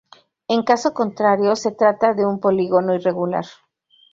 En caso contrario, se trata de un "polígono irregular".